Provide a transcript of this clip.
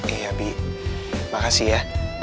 iya bi makasih ya